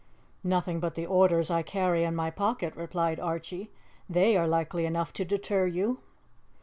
"Nothing but the orders I carry in my pocket," replied Archie. "They are likely enough to deter you."